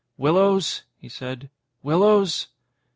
"Willows?" he said. "Willows?"